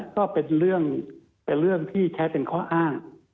ก็เป็นเรื่องที่ใช้เป็นข้ออ้าง